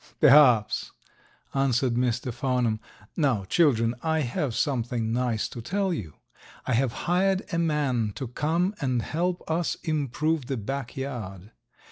"Perhaps," answered Mr. Farnum. "Now, children, I have something nice to tell you. I have hired a man to come and help us improve the back yard.